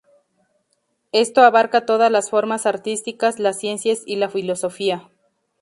Esto abarca todas las formas artísticas, las ciencias y la filosofía.